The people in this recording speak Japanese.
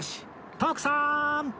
徳さん！